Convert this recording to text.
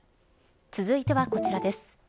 続いてはこちらです。